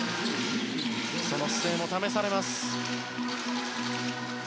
その姿勢も試されます。